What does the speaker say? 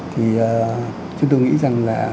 thì chúng tôi nghĩ rằng là